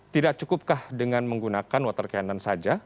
tidak cukupkah dengan menggunakan water cannon saja